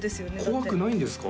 怖くないんですか？